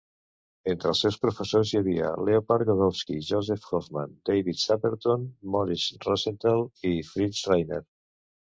Entre els seus professors hi havia Leopold Godowsky, Josef Hofmann, David Saperton, Moriz Rosenthal i Fritz Reiner.